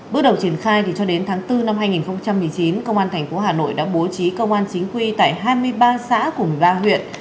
bước đầu triển khai thì cho đến tháng bốn năm hai nghìn một mươi chín công an thành phố hà nội đã bố trí công an chính quy tại hai mươi ba xã cùng ba huyện